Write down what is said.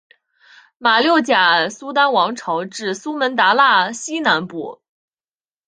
马六甲苏丹王朝至苏门答腊西南部。